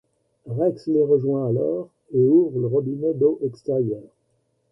Rex les rejoint alors et ouvre le robinet d'eau extérieur.